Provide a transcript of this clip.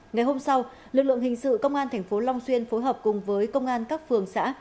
ngày hôm sau lực lượng hình sự công an tp long xuyên phối hợp cùng với công an các phường xã